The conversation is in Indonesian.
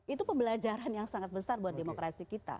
itu pembelajaran yang sangat besar buat demokrasi kita